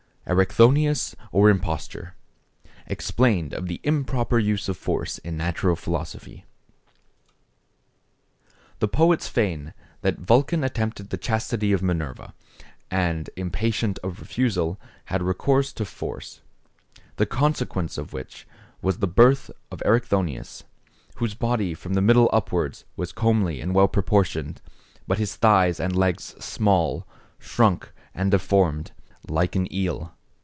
—ERICTHONIUS, OR IMPOSTURE. EXPLAINED OF THE IMPROPER USE OF FORCE IN NATURAL PHILOSOPHY. The poets feign that Vulcan attempted the chastity of Minerva, and impatient of refusal, had recourse to force; the consequence of which was the birth of Ericthonius, whose body from the middle upwards was comely and well proportioned, but his thighs and legs small, shrunk, and deformed, like an eel.